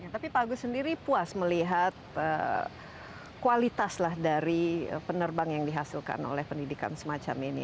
tapi pak agus sendiri puas melihat kualitas lah dari penerbang yang dihasilkan oleh pendidikan semacam ini